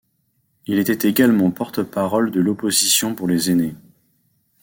Il était également porte-parole de l'Opposition pour les Aînés.